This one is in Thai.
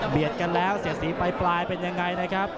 กันแล้วเสียสีปลายเป็นยังไงนะครับ